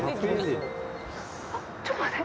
ちょっと待って。